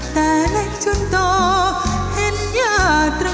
แต่เล็กจนโตเห็นหยาดต่างหวาน